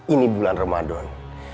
ini bulan ramadan